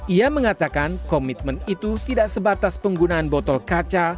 ia mengatakan komitmen itu tidak sebatas penggunaan botol kaca